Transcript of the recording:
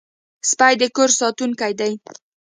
سپي د کور ساتونکي دي.